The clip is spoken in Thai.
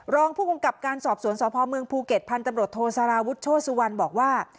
รองผู้กำกับการสอบสวนสพเมืองภูเก็ตพันธบรวจโทสารวุฒิโชสุวรรณบอกว่า